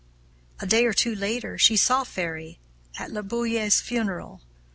A day or two later she saw Ferry at Laboulaye's funeral.